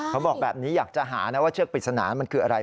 เขาบอกแบบนี้อยากจะหานะว่าเชือกปริศนามันคืออะไร